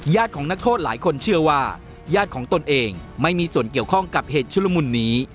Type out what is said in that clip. ของนักโทษหลายคนเชื่อว่าญาติของตนเองไม่มีส่วนเกี่ยวข้องกับเหตุชุลมุนนี้